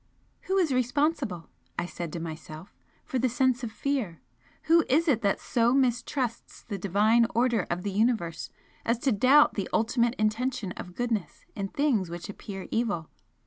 "Who is responsible," I said to myself "for the sense of fear? Who is it that so mistrusts the Divine order of the Universe as to doubt the ultimate intention of goodness in things which appear evil?